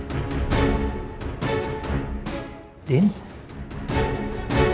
mereka rumah pens checked